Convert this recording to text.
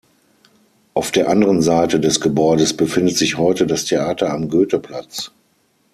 Auf der anderen Seite des Gebäudes befindet sich heute das Theater am Goetheplatz.